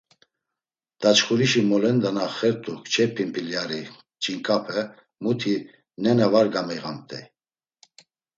Daçxurişi molendo na xert̆u kçe pimpilyari ç̌inǩape muti nena va gamiğamt̆ey.